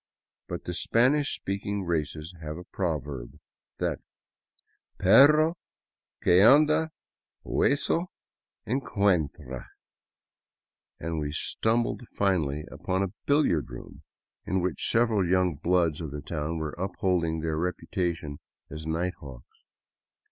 But the Spanish speaking races have a proverb that " Perro que anda hueso 88 DOWN THE ANDES TO QUITO encuentra," and we stumbled finally upon a billiard room in which sev eral young bloods of the town were upholding their reputation as night hawks.